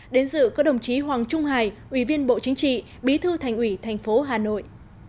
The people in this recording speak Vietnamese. đến dự có đồng chí hoàng trung hải ủy viên bộ chính trị bí thư thành ủy thành phố hà nội